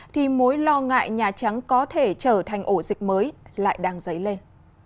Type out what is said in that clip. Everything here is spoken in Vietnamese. thì mối lo ngại nhà trắng có thể trở thành ổ dịch mới lại đang dấy lên